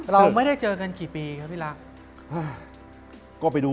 เราไม่ได้เจอกันกี่ปีครับพี่รัก